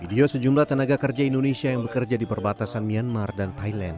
video sejumlah tenaga kerja indonesia yang bekerja di perbatasan myanmar dan thailand